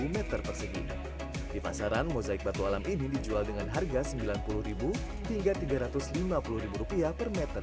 meter persegi di pasaran mozaik batu alam ini dijual dengan harga sembilan puluh hingga tiga ratus lima puluh rupiah per meter